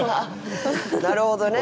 なるほどね。